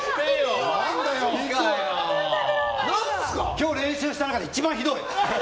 今日練習した中で一番ひどい。